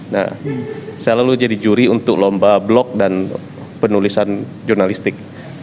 nah saya lalu jadi juri untuk lomba blog dan penulisan jurnalistik